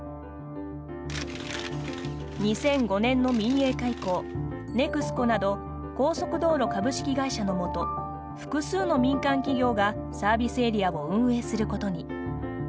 ２００５年の民営化以降ＮＥＸＣＯなど高速道路株式会社のもと複数の民間企業がサービスエリアを運営することに。